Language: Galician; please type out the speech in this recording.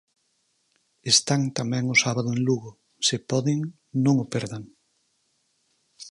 Están tamén o sábado en Lugo; se poden, non o perdan.